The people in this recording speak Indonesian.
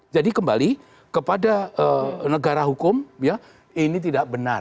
jadi kembali kepada negara hukum ya ini tidak benar